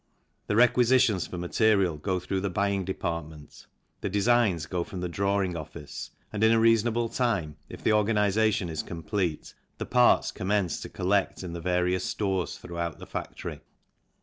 The requisitions for material go through the buying depart ment, the designs go from the drawing office and in a reasonable time, if the organization is complete, the parts commence to collect in the various stores through out the factory.